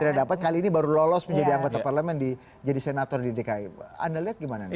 tidak dapat kali ini baru lolos menjadi anggota parlemen jadi senator di dki anda lihat gimana nih